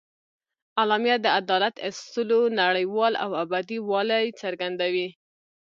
اعلامیه د عدالت اصولو نړیوال او ابدي والي څرګندوي.